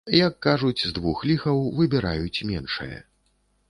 Як кажуць, з двух ліхаў выбіраюць меншае.